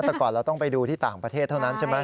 แต่ก่อนเราต้องไปดูที่ต่างประเทศเท่านั้นใช่ไหม